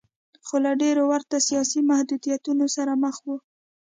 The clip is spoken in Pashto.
خو له ډېرو ورته سیاسي محدودیتونو سره مخ و.